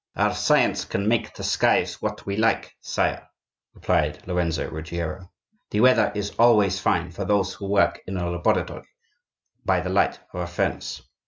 "Our science can make the skies what we like, sire," replied Lorenzo Ruggiero. "The weather is always fine for those who work in a laboratory by the light of a furnace."